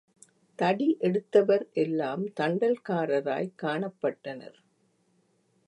தடி எடுத்தவர் எல்லாம் தண்டல்காரராய்க் காணப்பட்டனர்.